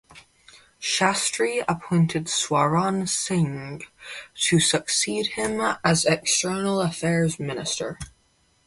Shastri appointed Swaran Singh to succeed him as External Affairs Minister.